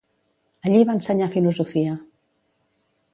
Allí va ensenyar filosofia.